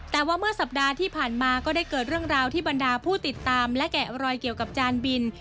แต่ว่าเมื่อสัปดาห์ที่ผ่านมาก็ได้เกิดเรื่องราวที่บรรดาผู้ติดตามและแกะรอยเกี่ยวกับจานบิน